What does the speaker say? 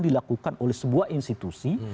dilakukan oleh sebuah institusi